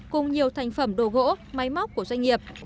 cùng nhiều thành phẩm đồ gỗ máy móc của doanh nghiệp